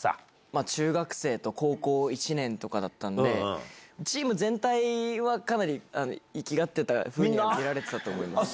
中学生と高校１年とかだったんで、チーム全体はかなりいきがってたふうには見られてたと思います。